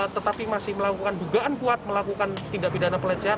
tetapi masih melakukan dugaan kuat melakukan tindak pidana pelecehan